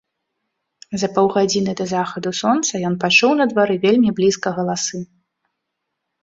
За паўгадзіны да захаду сонца ён пачуў на двары вельмі блізка галасы.